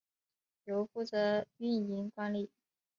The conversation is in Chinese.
由负责运营管理。